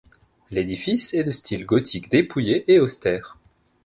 L'édifice est de style gothique dépouillé et austère.